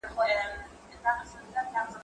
زه به کښېناستل کړي وي،